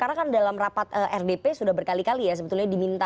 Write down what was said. karena kan dalam rapat rdp sudah berkali kali ya sebetulnya diminta